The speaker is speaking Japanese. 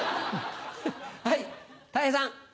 はいたい平さん。